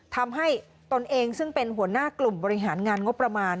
ตนเองซึ่งเป็นหัวหน้ากลุ่มบริหารงานงบประมาณ